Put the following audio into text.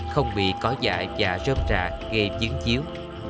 không bị có dại và rơm rạ gây chứng chiếu